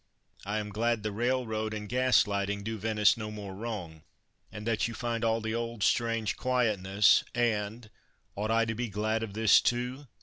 I am glad the railroad and gas lighting do Venice no more wrong, and that you find all the old strange quietness, and ought I to be glad of this, too?